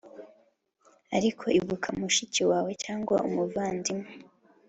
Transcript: ariko ibuka mushiki wawe cyangwa umuvandimwe